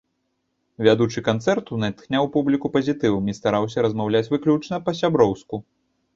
Вядучы канцэрту натхняў публіку пазітывам і стараўся размаўляць выключна па-сяброўску.